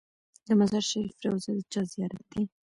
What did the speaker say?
د مزار شریف روضه د چا زیارت دی؟